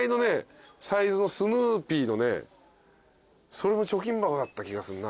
それも貯金箱だった気がすんな。